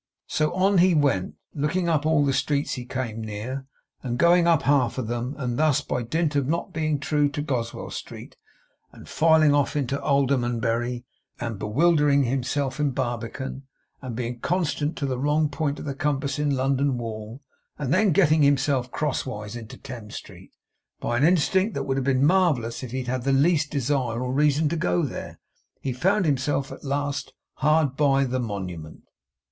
So on he went, looking up all the streets he came near, and going up half of them; and thus, by dint of not being true to Goswell Street, and filing off into Aldermanbury, and bewildering himself in Barbican, and being constant to the wrong point of the compass in London Wall, and then getting himself crosswise into Thames Street, by an instinct that would have been marvellous if he had had the least desire or reason to go there, he found himself, at last, hard by the Monument.